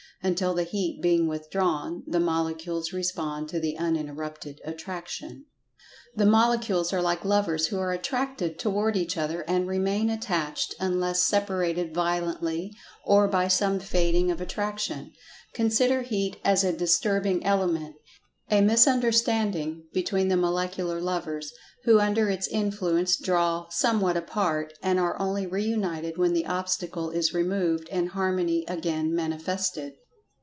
Until the heat being withdrawn, the Molecules respond to the uninterrupted Attraction. The Molecules are like lovers who are attracted toward each other, and remain attached unless separated violently, or by some fading of Attraction. Consider Heat as a disturbing element—a "misunderstanding" between the molecular lovers, who under its influence draw somewhat apart, and are only reunited when the obstacle is removed, and harmony again manifested.